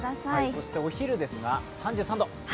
そしてお昼ですが、３３度。